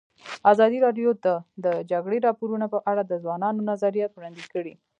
ازادي راډیو د د جګړې راپورونه په اړه د ځوانانو نظریات وړاندې کړي.